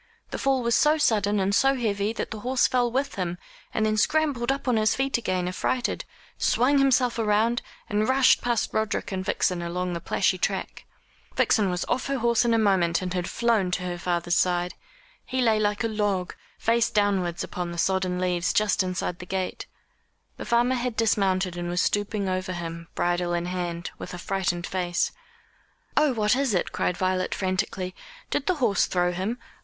The fall was so sudden and so heavy, that the horse fell with him, and then scrambled up on to his feet again affrighted, swung himself round, and rushed past Roderick and Vixen along the plashy track. Vixen was off her horse in a moment, and had flown to her father's side. He lay like a log, face downwards upon the sodden leaves just inside the gate. The farmer had dismounted and was stooping over him, bridle in hand, with a frightened face. "Oh, what is it?" cried Violet frantically. "Did the horse throw him?